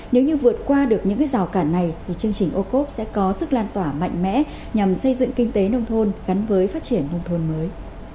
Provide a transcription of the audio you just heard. nếu như vượt qua được những rào cản này thì chương trình ô cốp sẽ có sức lan tỏa mạnh mẽ nhằm xây dựng kinh tế nông thôn gắn với phát triển nông thôn mới